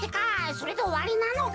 それでおわりなのか？